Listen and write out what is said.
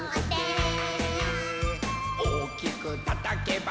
「おっきくたたけば」